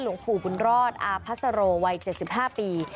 หลวงปู่บุญรอดอาพัสโรวัย๗๕ปี